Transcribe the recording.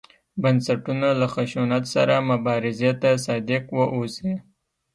بنسټونه له خشونت سره مبارزې ته صادق واوسي.